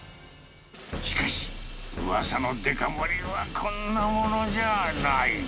しかし、うわさのデカ盛りはこんなものじゃない。